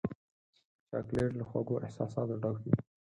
چاکلېټ له خوږو احساساتو ډک وي.